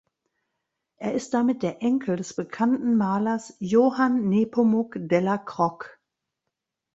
Er ist damit der Enkel des bekannten Malers Johann Nepomuk della Croce.